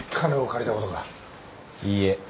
いいえ。